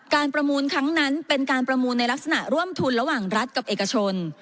ประมูลครั้งนั้นเป็นการประมูลในลักษณะร่วมทุนระหว่างรัฐกับเอกชน